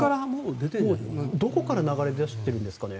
どこから流れ出してるんですかね。